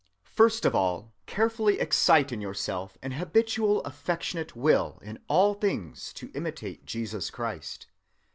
"First of all, carefully excite in yourself an habitual affectionate will in all things to imitate Jesus Christ.